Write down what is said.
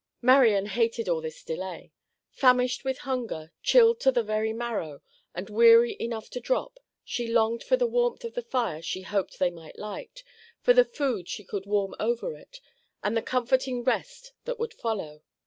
Marian hated all this delay. Famished with hunger, chilled to the very marrow, and weary enough to drop, she longed for the warmth of the fire she hoped they might light, for the food they would warm over it, and the comforting rest that would follow.